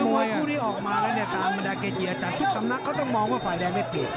มวยคู่นี้ออกมาแล้วเนี่ยตามบรรดาเกจีอาจารย์ทุกสำนักเขาต้องมองว่าฝ่ายแดงไม่เปลี่ยน